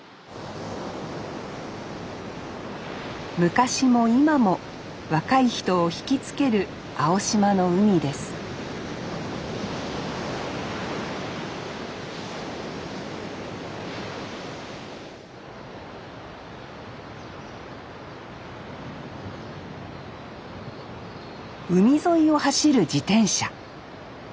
昔も今も若い人をひきつける青島の海です海沿いを走る自転車。